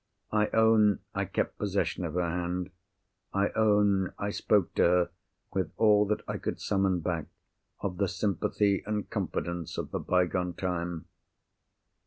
I own I kept possession of her hand. I own I spoke to her with all that I could summon back of the sympathy and confidence of the bygone time.